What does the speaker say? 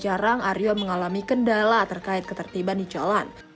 jarang aryo mengalami kendala terkait ketertiban di jalan